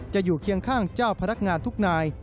อยู่เคียงข้างเจ้าพนักงานทุกนาย